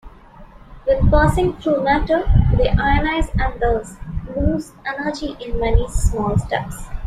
When passing through matter, they ionize and thus lose energy in many small steps.